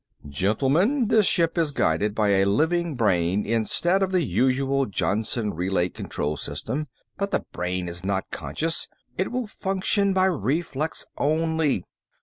"Gentlemen, this ship is guided by a living brain instead of the usual Johnson relay control system. But the brain is not conscious. It will function by reflex only.